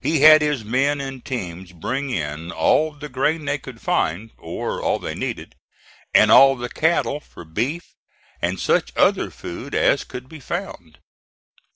He had his men and teams bring in all the grain they could find, or all they needed, and all the cattle for beef, and such other food as could be found.